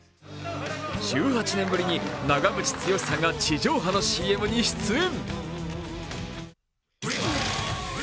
１８年ぶりに長渕剛さんが地上波のＣＭに出演。